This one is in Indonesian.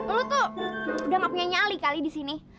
lu tuh udah gak punya nyali kali di sini